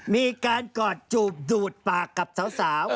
มีการกอดจูบดูดปากกับสาว